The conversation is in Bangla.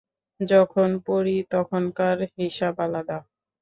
যখন পরি তখনকার হিসাব আলাদা।